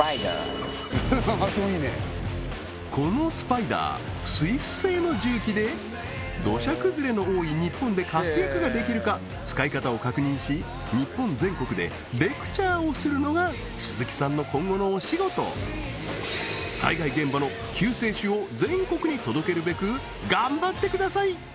このスパイダースイス製の重機で土砂崩れの多い日本で活躍ができるか使い方を確認し日本全国でレクチャーをするのが鈴木さんの今後のお仕事を全国に届けるべく頑張ってください！